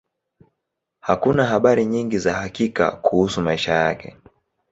Hakuna habari nyingi za hakika kuhusu maisha yake.